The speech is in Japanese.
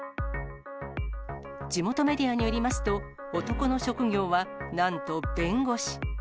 地元メディアによりますと、男の職業はなんと弁護士。